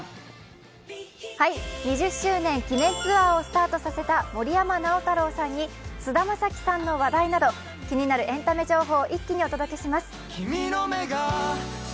２０周年記念ツアーをスタートさせた森山直太朗さんに菅田将暉の話題など気になるエンタメ情報を一気にお届けします。